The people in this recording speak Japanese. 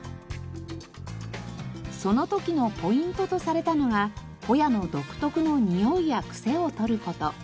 その時のポイントとされたのがホヤの独特のにおいやクセを取る事。